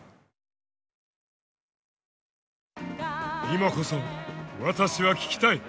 今こそ私は聴きたい！